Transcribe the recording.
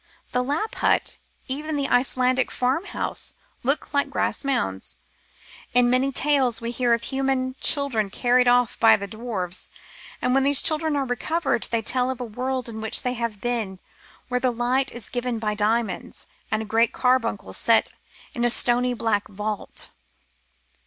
The Lapp hut, even the Icelandic farmhouse, look like grass mounds. In many tales we hear of human children carried off by the dwarfs, and when these children are recovered they tell of a world in which they have been where the light is given by diamonds and a great carbuncle set in a stony black vault.